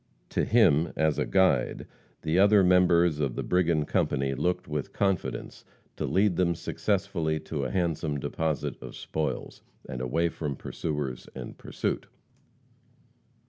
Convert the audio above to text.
To him, as a guide, the other members of the brigand company looked with confidence to lead them successfully to a handsome deposit of spoils, and away from pursuers and pursuit.